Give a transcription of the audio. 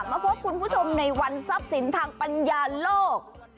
มาพบคุณผู้ชมในวันทรัพย์สินทางปัญญาโลก